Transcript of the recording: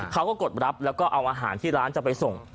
กดรับแล้วก็เอาอาหารที่ร้านจะไปส่ง